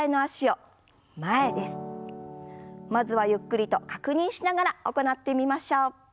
まずはゆっくりと確認しながら行ってみましょう。